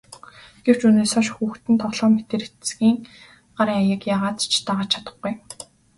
Гэвч үүнээс хойш хүүхдийн тоглоом мэтээр эцгийн гарын аяыг яагаад ч дагаж чадахгүй.